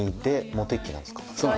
そう。